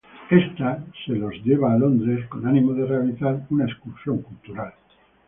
Esta se los lleva a Londres con ánimo de realizar una excursión de cultura.